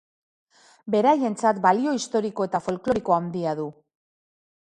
Beraientzat balio historiko eta folkloriko handia du.